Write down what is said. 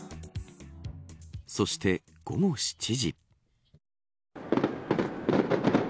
そして午後７時。